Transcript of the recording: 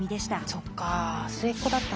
そっか末っ子だったんだ。